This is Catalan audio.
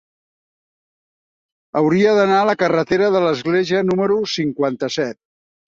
Hauria d'anar a la carretera de l'Església número cinquanta-set.